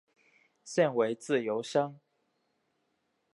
现为自由身。